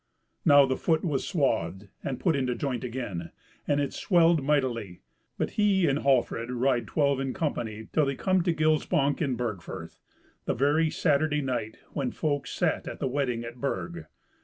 Now the foot was swathed, and put into joint again, and it swelled mightily; but he and Hallfred ride twelve in company till they come to Gilsbank, in Burg firth, the very Saturday night when folk sat at the wedding at Burg.